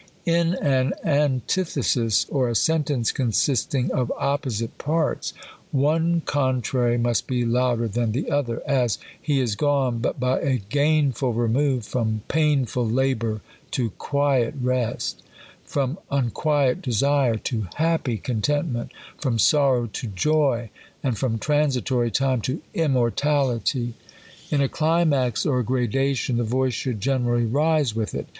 In an antithesis, or a sentenc e consisting of opposite parts, one contrary must be louder than the other. As, " He is gone, but by a gainful remove, from^^m ful labour to qitict rest ; from unquiet desire to happy eonientment ; from sorrow to joy ; and from transitory time to immQHality,'^'^ In a, climax or gradation, the voice should generally rise with it.